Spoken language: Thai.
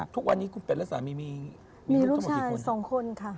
ทุกวันนี้กลุ่มเป็ดและสามีมีลูกชายสองคนค่ะ